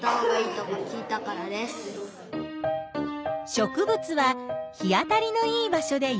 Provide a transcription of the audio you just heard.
植物は日当たりのいい場所でよく育つ。